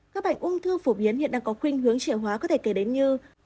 các bệnh ung thư phổ biến hiện đang có khuyên hướng trẻ hóa có thể kể đến như